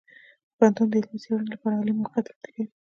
پوهنتون د علمي څیړنو لپاره عالي موقعیت وړاندې کوي.